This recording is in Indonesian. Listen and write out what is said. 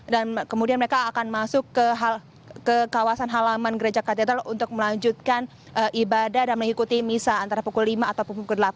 dan kemudian mereka akan masuk ke kawasan halaman gereja katedral untuk melanjutkan ibadah dan mengikuti misal antara pukul lima atau pukul delapan